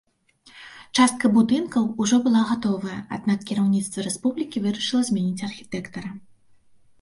Частка будынкаў ужо была гатовая, аднак кіраўніцтва рэспублікі вырашыла замяніць архітэктара.